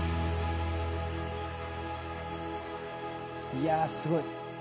いやすごい。